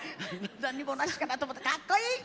何もなしかなと思ったらかっこいい！